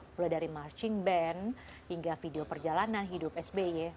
mulai dari marching band hingga video perjalanan hidup sby